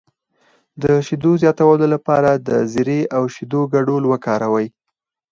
د شیدو زیاتولو لپاره د زیرې او شیدو ګډول وکاروئ